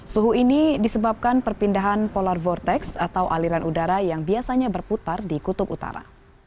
suhu ini disebabkan perpindahan polar vortex atau aliran udara yang biasanya berputar di kutub utara